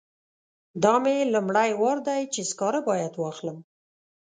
دا مې لومړی وار دی چې سکاره باید واخلم.